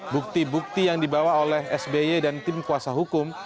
bukti bukti yang dibawa oleh sby dan tim kuasa hukum